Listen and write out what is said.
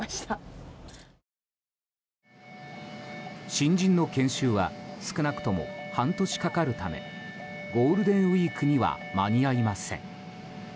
新人の研修は少なくとも半年かかるためゴールデンウィークには間に合いません。